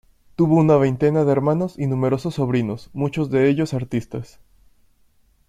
Tuvo una veintena de hermanos y numerosos sobrinos, muchos de ellos artistas.